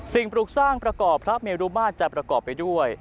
ปลูกสร้างประกอบพระเมรุมาตรจะประกอบไปด้วย